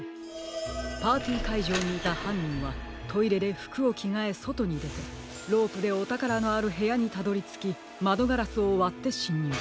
パーティーかいじょうにいたはんにんはトイレでふくをきがえそとにでてロープでおたからのあるへやにたどりつきまどガラスをわってしんにゅう。